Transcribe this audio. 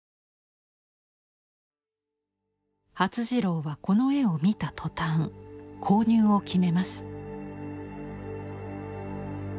發次郎はこの絵を見たとたん購入を決めます。